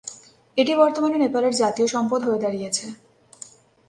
এটি বর্তমানে নেপালের জাতীয় সম্পদ হয়ে দাঁড়িয়েছে।